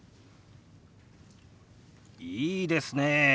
いいですねえ。